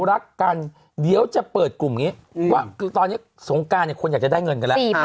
รักกันเดี๋ยวจะเปิดกลุ่มอย่างนี้ว่าคือตอนนี้สงการเนี่ยคนอยากจะได้เงินกันแล้ว